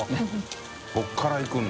△ここから行くんだ。